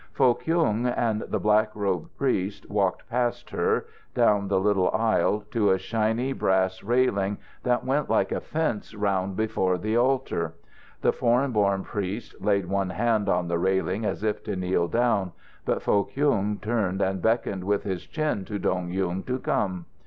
Foh Kyung and the black robed priest walked past her, down the little aisle, to a shiny brass railing that went like a fence round before the altar. The foreign born priest laid one hand on the railing as if to kneel down, but Foh Kyung turned and beckoned with his chin to Dong Yung to come.